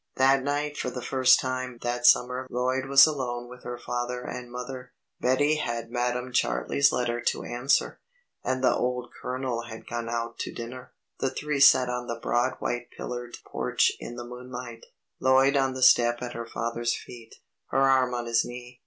That night for the first time that summer Lloyd was alone with her father and mother. Betty had Madam Chartley's letter to answer, and the old Colonel had gone out to dinner. The three sat on the broad white pillared porch in the moonlight, Lloyd on the step at her father's feet, her arm on his knee.